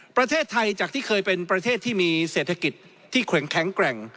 ประเทศไทยจากที่เคยเป็นประเทศที่มีเศรษฐกิจที่แข็งแกร่ง